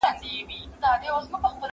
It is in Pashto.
زه هره ورځ مېوې راټولوم!.